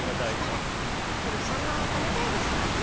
でもサンマは食べたいですもんね